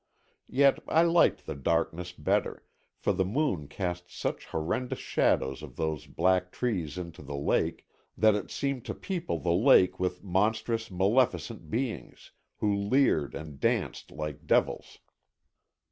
Yet I liked the darkness better, for the moon cast such horrendous shadows of those black trees into the lake that it seemed to people the lake with monstrous, maleficent beings, who leered and danced like devils.